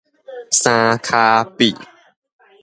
三跤鱉